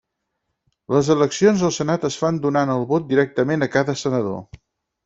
Les eleccions al Senat es fan donant el vot directament a cada senador.